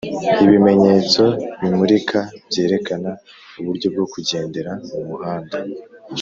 Ibimenyetso bimulika byerekana uburyo bwo kugendera mu muhanda